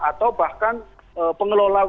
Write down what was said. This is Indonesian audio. atau bahkan pengelola kawasan raya